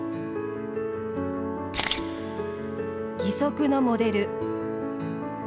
義足のモデル。